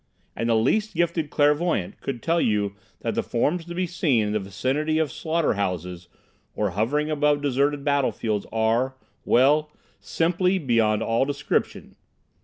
And the least gifted clairvoyant could tell you that the forms to be seen in the vicinity of slaughter houses, or hovering above the deserted battlefields, are—well, simply beyond all description.